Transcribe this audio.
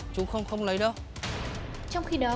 cô bảo sao lại đưa cho chú thế này